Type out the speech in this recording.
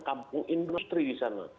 kampung industri di sana